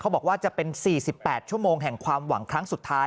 บอกว่าจะเป็น๔๘ชั่วโมงแห่งความหวังครั้งสุดท้าย